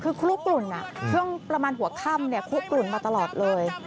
คือคลุกกลุ่นช่วงประมาณหัวค่ำคลุกกลุ่นมาตลอดเลย